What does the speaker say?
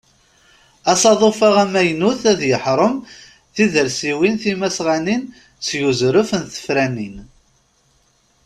Asaḍuf-a amaynut ad yeḥrem tidersiwin timasɣanin seg uzref n tefranin.